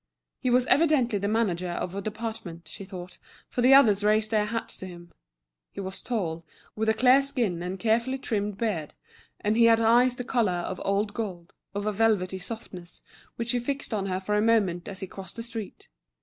He was evidently the manager of a department, she thought, for the others raised their hats to him. He was tall, with a clear skin and carefully trimmed beard; and he had eyes the colour of old gold, of a velvety softness, which he fixed on her for a moment as he crossed the street.